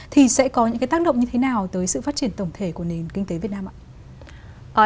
thì sẽ có những cái tác động như thế nào tới sự phát triển tổng thể của nền kinh tế việt nam ạ